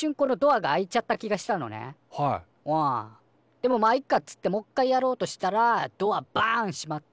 でもまいっかっつってもっかいやろうとしたらドアバン閉まって。